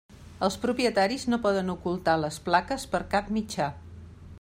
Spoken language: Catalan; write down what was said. Els propietaris no poden ocultar les plaques per cap mitjà.